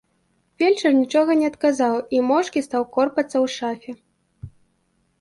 Фельчар нічога не адказаў і моўчкі стаў корпацца ў шафе.